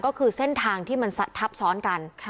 ก็คือเส้นทางที่มันทับซ้อนกัน